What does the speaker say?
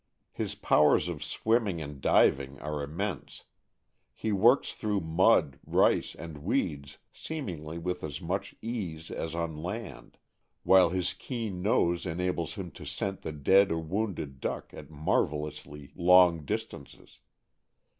His powers of swimming and diving are immense; he works through mud, rice, and weeds seem ingly with as much ease as on land, while his keen nose enables him to scent the dead or wounded duck at marvel ously long distances.